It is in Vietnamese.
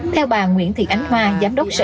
theo bà nguyễn thị ánh hoa giám đốc sản phẩm